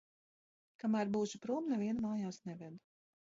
Kamēr būšu prom, nevienu mājās neved.